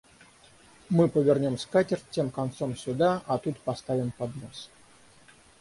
Мы повернем скатерть тем концом сюда, а тут поставим поднос.